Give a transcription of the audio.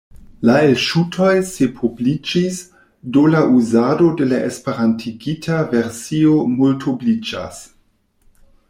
La elŝutoj sepobliĝis, do la uzado de la esperantigita versio multobliĝas.